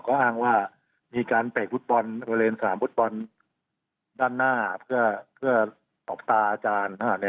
ก็อ้างว่ามีการเปลี่ยนภูตบอลโรงเรียนสนามภูตบอลด้านหน้าเพื่อตอบตาอาจารย์